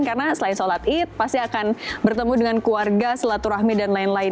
karena selain sholat id pasti akan bertemu dengan keluarga selatu rahmi dan lain lain